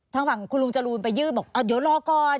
ทางฝั่งคุณลุงจรูนไปยื่นบอกเดี๋ยวรอก่อน